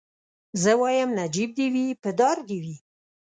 زه وايم نجيب دي وي په دار دي وي